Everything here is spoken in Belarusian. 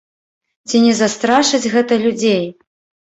Ці не застрашыць гэта людзей?